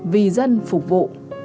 vì dân phục vụ